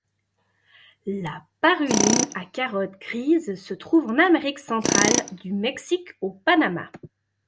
La Paruline à calotte grise se trouve en Amérique centrale, du Mexique au Panama.